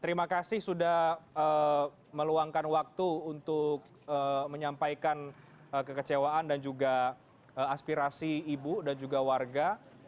terima kasih sudah meluangkan waktu untuk menyampaikan kekecewaan dan juga aspirasi ibu dan juga warga